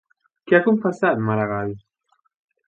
Què ha confessat Maragall?